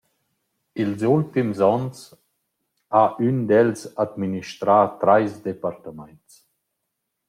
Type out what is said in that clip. Ils ultims ans ha ün d’els administrà trais departemaints.